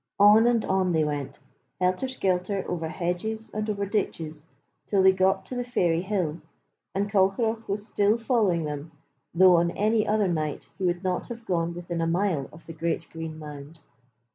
On and on they went, helter skelter over hedges and over ditches till they got to the Fairy Hill, and Colcheragh was still following them, though on any other night he would not have gone within a mile of the great green mound.